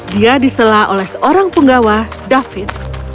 dia disela oleh seorang penggawa david